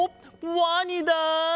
ワニだ！